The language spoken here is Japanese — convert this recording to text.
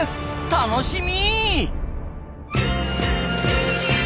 楽しみ！